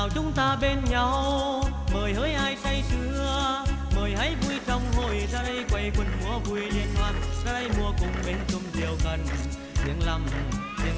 để mỗi đêm